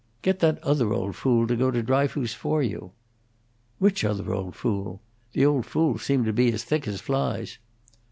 "Get that other old fool to go to Dryfoos for you!" "Which other old fool? The old fools seem to be as thick as flies."